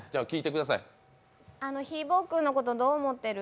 ひーぼぉくんのことどう思ってる？